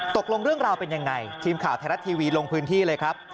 ตกลงเรื่องราวเป็นยังไงทีมข่าวไทยรัฐทีวีลงพื้นที่เลยครับ